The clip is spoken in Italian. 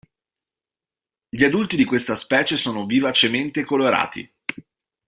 Gli adulti di questa specie sono vivacemente colorati.